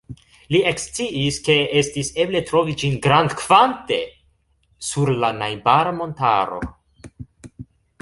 Li eksciis ke estis eble trovi ĝin grandkvante sur la najbara montaro.